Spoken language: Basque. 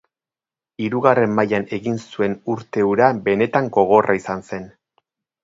Hirugarren mailan egin zuen urte hura benetan gogorra izan zen.